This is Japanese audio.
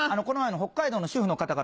北海道の主婦の方から？